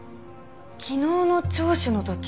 昨日の聴取の時。